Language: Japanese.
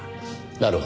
なるほど。